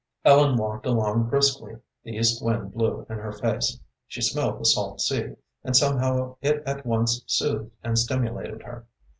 Ellen walked along briskly, the east wind blew in her face, she smelled the salt sea, and somehow it at once soothed and stimulated her.